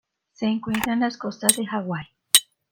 Se encuentra en las costas de Hawaii.